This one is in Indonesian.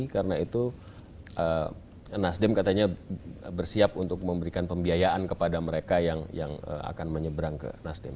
karena itu nasdem katanya bersiap untuk memberikan pembiayaan kepada mereka yang akan menyeberang ke nasdem